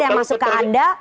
yang masuk ke anda